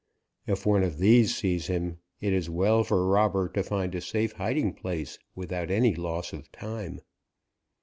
If one of these sees him, it is well for Robber to find a safe hiding place without any loss of time.